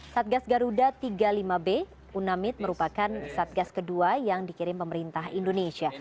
satgas garuda tiga puluh lima b unamid merupakan satgas kedua yang dikirim pemerintah indonesia